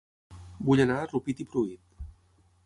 Vull anar a Rupit i Pruit